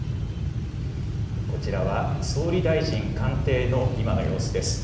こちらは総理大臣官邸の今の様子です。